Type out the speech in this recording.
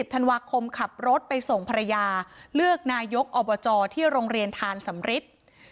ธันวาคมขับรถไปส่งภรรยาเลือกนายกอบจที่โรงเรียนทานสำริท